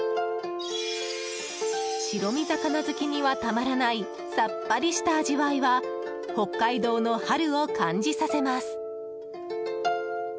白身魚好きにはたまらないさっぱりした味わいは北海道の春を感じさせます。